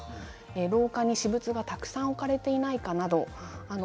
廊下に私物がたくさん置かれていないかどうか。